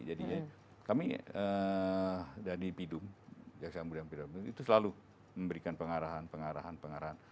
jadi kami dari pidum jaksa ambudan pidum itu selalu memberikan pengarahan pengarahan pengarahan